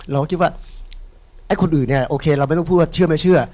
เราก็คิดว่าไอ้คนอื่นเนี่ยโอเคเราไม่ต้องพูดว่าเชื่อไม่เชื่อ